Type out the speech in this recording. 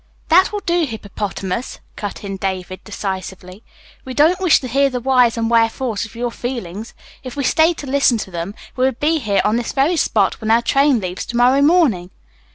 "That will do, Hippopotamus," cut in David decisively. "We don't wish to hear the whys and wherefores of your feelings. If we stayed to listen to them we would be here on this very spot when our train leaves to morrow morning."